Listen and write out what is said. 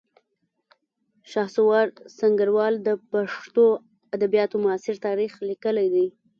شهسوار سنګروال د پښتو ادبیاتو معاصر تاریخ لیکلی دی